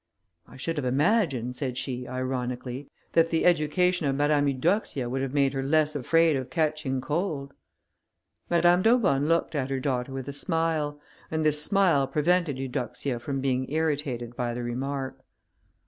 "I should have imagined," said she, ironically, "that the education of Mademoiselle Eudoxia would have made her less afraid of catching cold." Madame d'Aubonne looked at her daughter with a smile, and this smile prevented Eudoxia from being irritated by the remark.